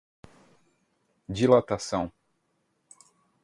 dilação